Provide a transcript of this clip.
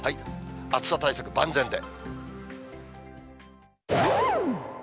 暑さ対策万全で。